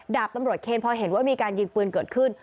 ดาบตำรวจเคนพอเห็นว่ามีการยิงปืนเกิดขึ้น